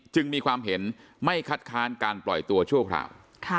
จึงมีความเห็นไม่คัดค้านการปล่อยตัวชั่วคราว